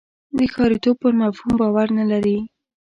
د ښاریتوب پر مفهوم باور نه لري.